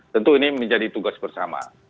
tentu ini menjadi tugas bersama